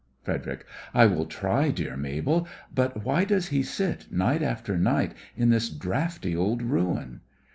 FREDERIC: I will try, dear Mabel. But why does he sit, night after night, in this draughty old ruin?